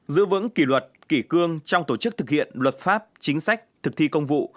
giữ vững kỷ luật kỷ cương trong tổ chức thực hiện luật pháp chính sách thực thi công vụ